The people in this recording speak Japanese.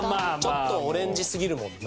ちょっとオレンジすぎるもんな。